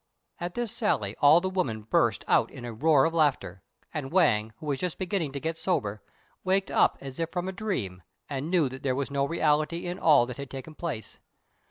At this sally all the women burst out in a roar of laughter; and Wang, who was just beginning to get sober, waked up as if from a dream, and knew that there was no reality in all that had taken place.